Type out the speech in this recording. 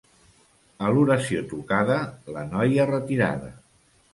A l'oració tocada, la noia retirada.